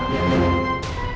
kau telah bertaubat